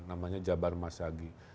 namanya jabar masyagi